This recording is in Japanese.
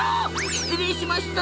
失礼しました